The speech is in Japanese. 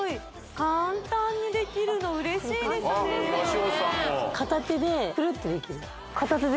簡単にできるの嬉しいですね